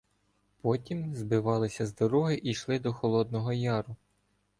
потім "збивалися з дороги" і йшли до Холодного Яру.